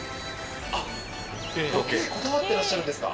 あっ、時計こだわっていらっしゃるんですか。